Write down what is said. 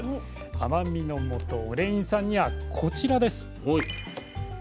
甘みのもとオレイン酸にはこちらです。